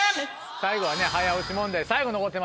最後はね早押し問題最後残ってますから。